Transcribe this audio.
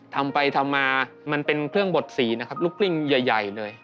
ทำไปทำมามันเป็นเครื่องบดสีนะครับลูกกลิ้งใหญ่เลย